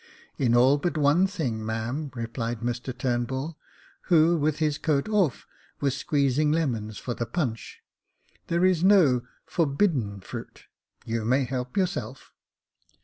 " In all but one thing, ma^am," replied Mr TurnbuU, who, with his coat off, was squeezing lemons for the punch —" there's no forbidden fruit. You may help yourself."